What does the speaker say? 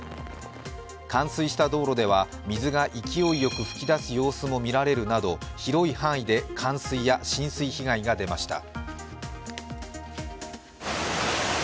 冠水した道路では、水が勢いよく噴き出す様子もみられるなど、広い範囲で冠水や浸水被害が出ました。